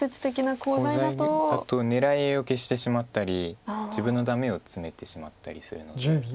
コウ材だと狙いを消してしまったり自分のダメをツメてしまったりするので。